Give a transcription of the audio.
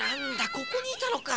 ここにいたのか。